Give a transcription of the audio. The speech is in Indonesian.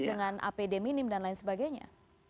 dengan apd minim dan lain sebagainya